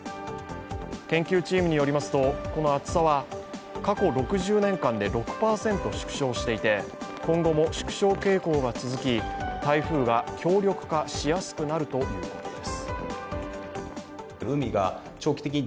研究チームによりますとこの厚さは過去６０年間で６％縮小していて今後も縮小傾向が続き台風が強力化しやすくなるということです。